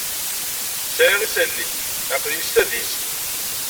Sɛiɣ isali. Aql-iyi s tadist.